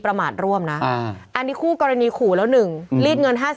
ขอค่าปากกาหน่อย